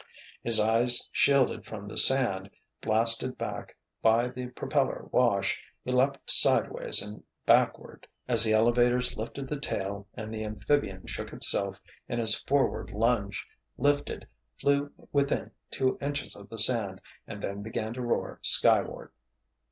His eyes shielded from the sand, blasted back by the propeller wash, he leaped sidewise and backward as the elevators lifted the tail and the amphibian shook itself in its forward lunge, lifted, flew within two inches of the sand, and then began to roar skyward.